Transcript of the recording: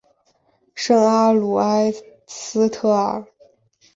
圣阿卢埃斯特尔。